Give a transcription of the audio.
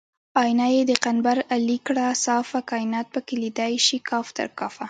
آیینه یې د قنبر علي کړه صافه کاینات پکې لیدی شي کاف تر کافه